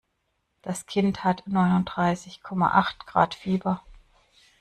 Das Kind hat neununddreißig Komma acht Grad Fieber.